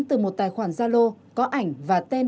từ một tài khoản gia lô có ảnh và tên